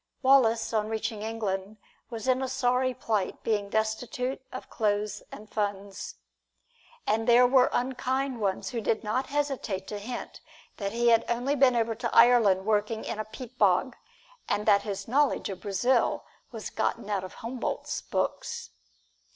Wallace on reaching England was in a sorry plight, being destitute of clothes and funds. And there were unkind ones who did not hesitate to hint that he had only been over to Ireland working in a peat bog, and that his knowledge of Brazil was gotten out of Humboldt's books.